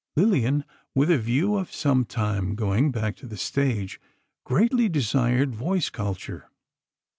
Lillian, with a view of sometime going back to the stage, greatly desired voice culture.